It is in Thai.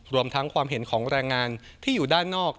รวมทั้งความเห็นของแรงงานที่อยู่ด้านนอก